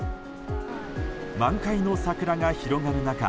満開の桜が広がる中